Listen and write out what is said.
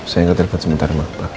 saya nge telepon sebentar mak